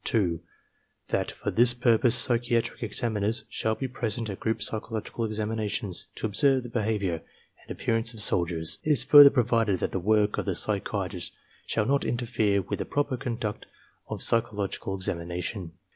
(2) That for this purpose psychiatric examiners shall be present at group psychological examinations, to observe the behavior and ap pearance of soldiers. It is further provided that the work of the psychiatrist shall not interfere with the proper conduct of psychological examination.